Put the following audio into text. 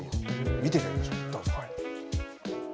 見ていただきましょう、どうぞ。